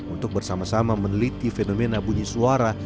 untuk bersama sama meneliti fenomena bunyi suara